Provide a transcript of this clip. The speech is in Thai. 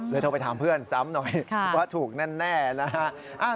โทรไปถามเพื่อนซ้ำหน่อยว่าถูกแน่นะฮะ